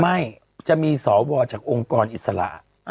ไม่มีจะมีสวจากองค์กรอิสระ